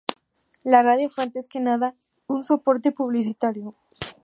La radio fue, antes que nada, un soporte publicitario.